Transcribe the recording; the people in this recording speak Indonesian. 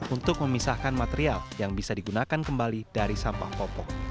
untuk memisahkan material yang bisa digunakan kembali dari sampah popok